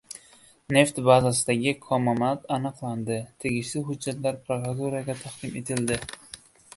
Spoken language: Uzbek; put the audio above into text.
Neft bazasidagi kamomad aniqlandi, tegishli hujjatlar prokuraturaga taqdim etildi